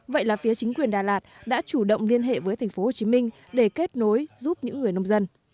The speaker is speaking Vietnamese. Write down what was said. vậy là phía chính quyền đà lạt đã chủ động liên hệ với tp hcm để kết nối giúp những người nông dân